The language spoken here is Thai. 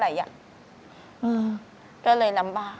แม้สักคนอาจจะช่วยรักษาน้ำบาก